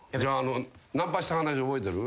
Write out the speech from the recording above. ナンパした話覚えてる？